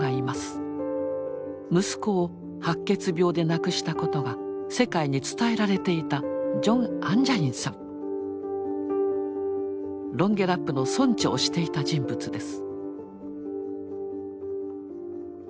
息子を白血病で亡くしたことが世界に伝えられていたロンゲラップの村長をしていた人物です。